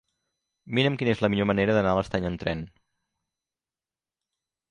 Mira'm quina és la millor manera d'anar a l'Estany amb tren.